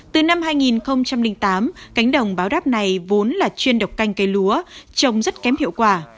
từ năm hai nghìn tám cánh đồng báo đáp này vốn là chuyên độc canh cây lúa trồng rất kém hiệu quả